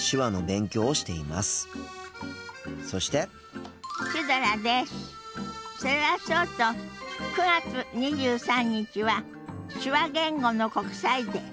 それはそうと９月２３日は手話言語の国際デー。